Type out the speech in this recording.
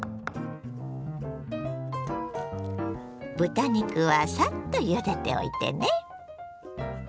豚肉はサッとゆでておいてね。